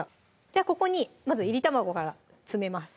じゃあここにまずいり卵から詰めます